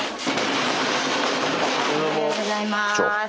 おはようございます。